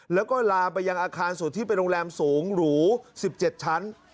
แล้วก็ลามไปยังอาคารสุดที่เป็นโรงแรมสูงหรู๑๗ชั้น